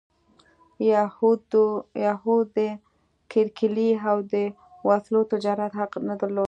یهودو د کرکیلې او د وسلو تجارت حق نه درلود.